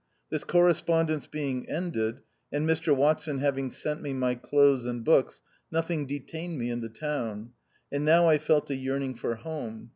This correspondence being ended, and Mr Watson having sent me my clothes and books, nothing detained me in the town ; and now I felt a yearning for home.